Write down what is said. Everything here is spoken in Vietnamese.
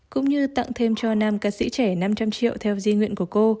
cũng như tặng thêm cho nam ca sĩ trẻ năm trăm linh triệu theo di nguyện của cô